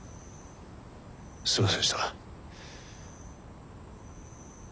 すいませんでした。